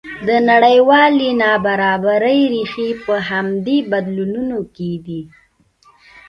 د نړیوالې نابرابرۍ ریښې په همدې بدلونونو کې دي.